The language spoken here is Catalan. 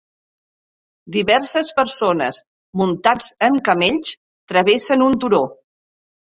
Diverses persones muntats en camells travessen un turó.